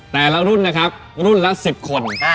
แต่ละรุ่นนะครับรุ่นละ๑๐คน